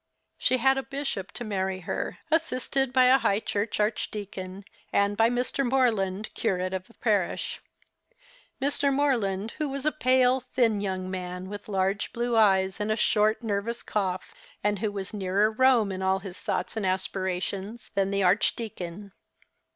She had a bishop to marry her, assisted by a High Church archdeacon, and by Mr. Morland, curate of the parish — Mr. Morland, who was a pale, thin young man with large blue eyes and a short, nervous cough, and who was nearer Rome in all his thoughts and aspirations than the archdeacon.